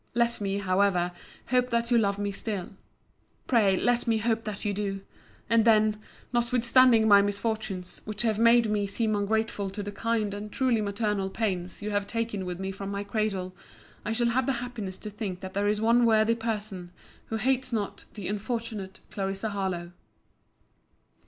Let me, however, hope that you love me still. Pray let me hope that you do. And then, notwithstanding my misfortunes, which have made me seem ungrateful to the kind and truly maternal pains you have taken with me from my cradle, I shall have the happiness to think that there is one worthy person, who hates not The unfortunate CLARISSA HARLOWE.